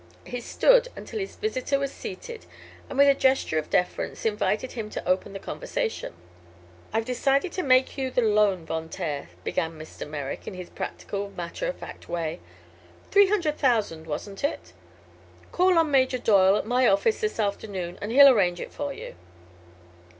He stood until his visitor was seated and with a gesture of deference invited him to open the conversation. "I've decided to make you the loan, Von Taer," began Mr. Merrick, in his practical, matter of fact way. "Three hundred thousand, wasn't it? Call on Major Doyle at my office this afternoon and he'll arrange it for you."